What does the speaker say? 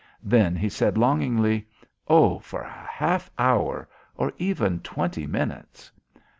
Then he said longingly: "Oh, for a half an hour! Or even twenty minutes!"